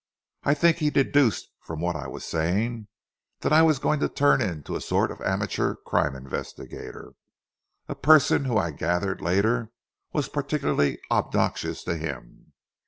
I think he deduced from what I was saying that I was going to turn into a sort of amateur crime investigator, a person who I gathered later was particularly obnoxious to him.